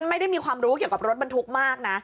ไม่ได้มีความรู้เกี่ยวกับรถบรรทุกมากนะ